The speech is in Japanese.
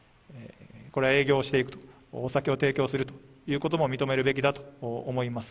これは営業していくと、お酒を提供するということも認めるべきだと思います。